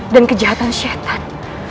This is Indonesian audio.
dan kejahatan syetan